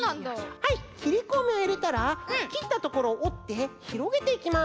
はいきりこみをいれたらきったところをおってひろげていきます。